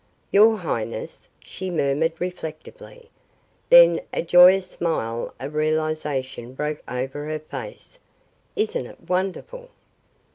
"Your highness!" she murmured reflectively. Then a joyous smile of realization broke over her face. "Isn't it wonderful?"